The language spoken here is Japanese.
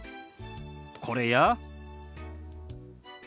これや。